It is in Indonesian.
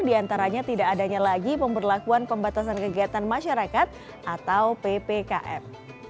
di antaranya tidak adanya lagi pemberlakuan pembatasan kegiatan masyarakat atau ppkm